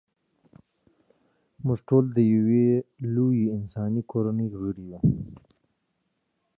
موږ ټول د یوې لویې انساني کورنۍ غړي یو.